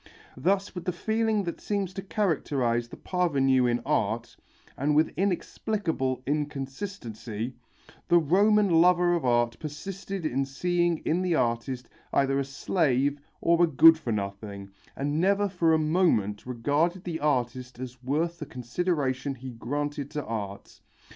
Thus with the feeling that seems to characterize the parvenu in art, and with inexplicable inconsistency, the Roman lover of art persisted in seeing in the artist either a slave or a good for nothing, and never for a moment regarded the artist as worth the consideration he granted to art.